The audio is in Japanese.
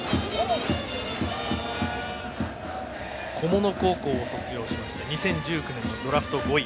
菰野高校を卒業しまして２０１９年のドラフト５位。